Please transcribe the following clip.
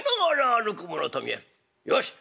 よし。